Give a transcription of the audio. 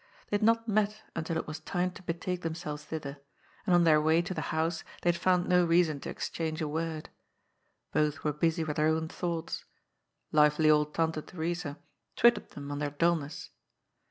They had not met until it was time to betake themselves thither, and on their way to the house they had found no reason to exchange a word. Both were busy with their own thoughts. Lively old Tante Theresa twitted them on their dulness.